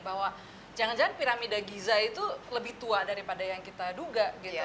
bahwa jangan jangan piramida giza itu lebih tua daripada yang kita duga gitu